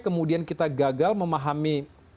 kemudian kita gagal memahami